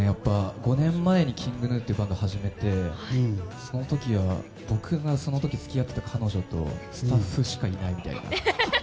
５年前にＫｉｎｇＧｎｕっていうバンド始めてその時は、僕がその時付き合っていた彼女とスタッフしかいないみたいな。